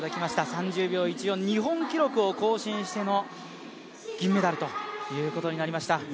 ３０秒１４、日本記録を更新しての銀メダルということになりました。